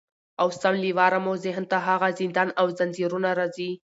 نو سم له واره مو ذهن ته هغه زندان او زنځیرونه راځي